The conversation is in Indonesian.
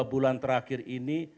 dua bulan terakhir ini